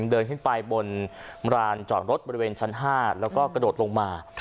เดินขึ้นไปบนรานจอดรถบริเวณชั้น๕แล้วก็กระโดดลงมา